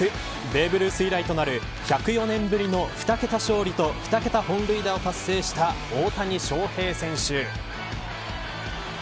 ベーブ・ルース以来となる１０４年ぶりの２桁勝利と２桁本塁打を達成した大谷翔平選手。